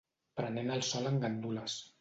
Prenent el sol en gandules